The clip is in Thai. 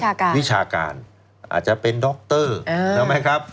อ่าวิชาการอาจจะเป็นด็อกเตอร์เออรู้ไหมครับ